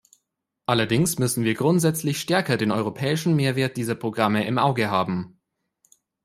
Allerdings müssen wir grundsätzlich stärker den europäischen Mehrwert dieser Programme im Auge haben.